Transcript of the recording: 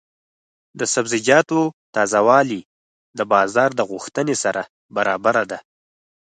د سبزیجاتو تازه والي د بازار د غوښتنې سره برابره ده.